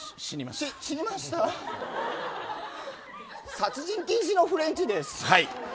殺人禁止のフレンチです。